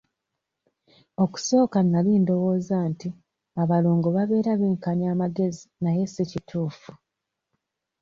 Okusooka nali ndowooza nti abalongo babeera benkanya amagezi naye si kituufu.